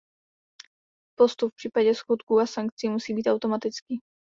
Postup v případě schodků a sankcí musí být automatický.